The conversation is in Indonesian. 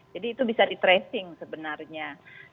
jadi itu bisa di tracing sebenarnya